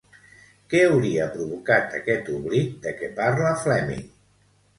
Què hauria provocat aquest oblit de què parla Fleming?